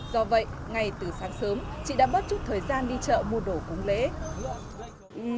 do vậy ngày từ sáng sớm chị đã bớt chút thời gian đi chợ mua đổ cúng lễ